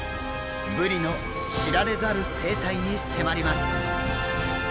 ブリの知られざる生態に迫ります。